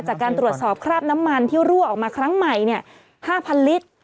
จากการตรวจสอบคราบน้ำมันที่รั่วออกมาครั้งใหม่๕๐๐ลิตร